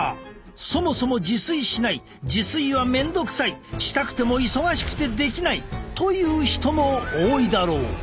そもそも自炊しない自炊は面倒くさいしたくても忙しくてできないという人も多いだろう。